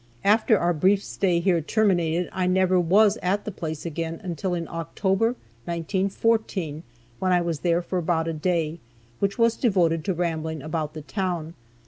After our brief stay here terminated, I never was at the place again until in October, 1914, when I was there for about a day, which was devoted to rambling about the town.